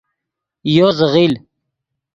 یو زیغیل